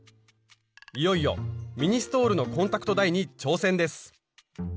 いよいよミニストールのコンタクトダイに挑戦です！